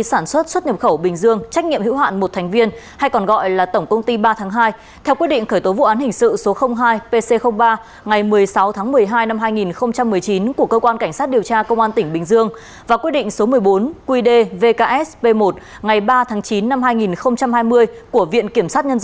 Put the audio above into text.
chủ tịch hội đồng quản trị tổng công ty sản xuất xuất nhập khẩu bình dương công ty cổ phần